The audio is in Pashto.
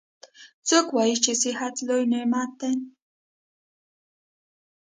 څوک وایي چې صحت لوی نعمت ده